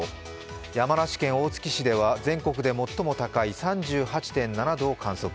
山梨県大月市では全国で最も高い３８．７度を観測。